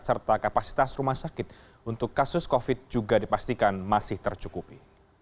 serta kapasitas rumah sakit untuk kasus covid juga dipastikan masih tercukupi